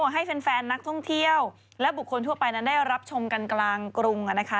ให้แฟนนักท่องเที่ยวและบุคคลทั่วไปนั้นได้รับชมกันกลางกรุงนะคะ